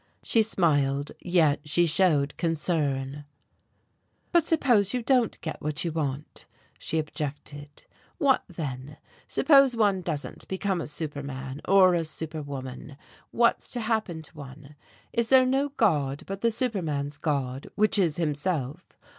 She smiled, yet she showed concern. "But suppose you don't get what you want?" she objected. "What then? Suppose one doesn't become a superman? or a superwoman? What's to happen to one? Is there no god but the superman's god, which is himself?